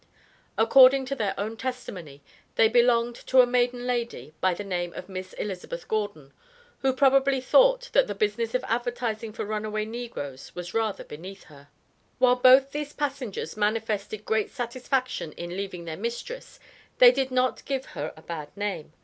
According to their own testimony they belonged to a maiden lady, by the name of Miss Elizabeth Gordon, who probably thought that the business of advertising for runaway negroes was rather beneath her. While both these passengers manifested great satisfaction in leaving their mistress they did not give her a bad name.